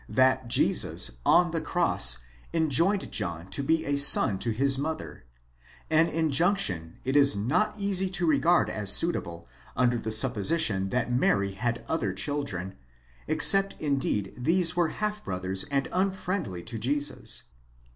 that Jesus, on the cross, enjoined John to be a son to his mother; an injunction it is not easy to regard as suitable under the supposition that Mary had other children, except indeed these were half brothers and unfriendly to Jesus.